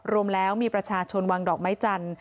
รวมแล้วมีประชาชนวางดอกไม้จันทร์